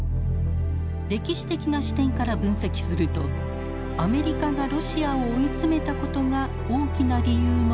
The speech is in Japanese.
歴史的な視点から分析するとアメリカがロシアを追い詰めたことが大きな理由の一つだといいます。